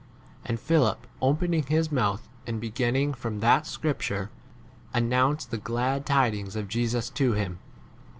And Philip, opening his mouth and beginning from that scripture, announced the 30 glad tidings of Jesus to him.